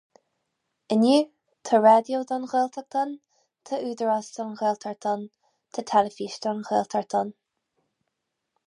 Inniu, tá raidió don Ghaeltacht ann, tá údarás don Ghaeltacht ann, tá teilifís don Ghaeltacht ann.